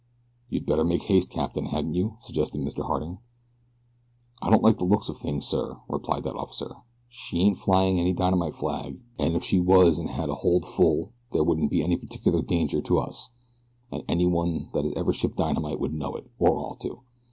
"You'd better make haste, Captain, hadn't you?" suggested Mr. Harding. "I don't like the looks of things, sir," replied that officer. "She ain't flyin' any dynamite flag, an' if she was an' had a hold full there wouldn't be any particular danger to us, an' anyone that has ever shipped dynamite would know it, or ought to.